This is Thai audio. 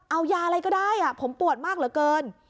เอายาอะไรก็ได้ผมปวดมากเหลือเกิน